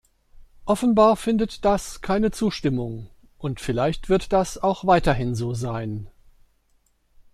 Offenbar findet das keine Zustimmung, und vielleicht wird das auch weiterhin so sein.